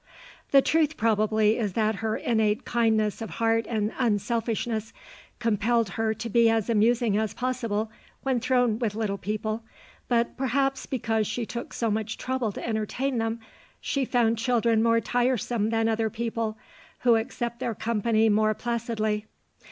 The truth probably is that her innate kindness of heart and unselfishness compelled her to be as amusing as possible when thrown with little people, but perhaps because she took so much trouble to entertain them she found children more tiresome than other people who accept their company more placidly.